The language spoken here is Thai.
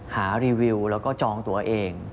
รีวิวแล้วก็จองตัวเอง